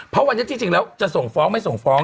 เพราะวันนี้ที่จริงแล้วจะส่งฟ้องไม่ส่งฟ้อง